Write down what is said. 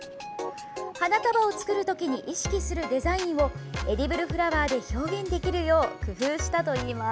花束を作る時に意識するデザインをエディブルフラワーで表現できるよう工夫したといいます。